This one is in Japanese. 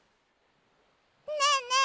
ねえねえ